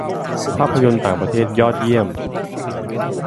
- ภาพยนตร์ต่างประเทศยอดเยี่ยม